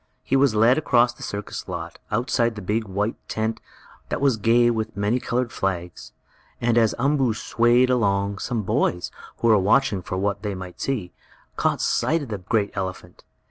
He was led across the circus lot, outside the big, white tent, that was gay with many colored flags, and as Umboo swayed along, some boys, who were watching for what they might see, caught sight of the great elephant.